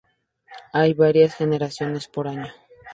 Hay varias generaciones por año.